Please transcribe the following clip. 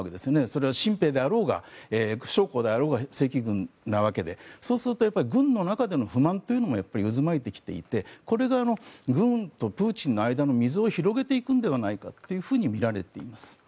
それは新兵であろうが将校であろうが正規軍なわけでそうすると、軍の中での不満というのも渦巻いてきていてこれが軍とプーチンの間の溝を広げていくのではないかとみられています。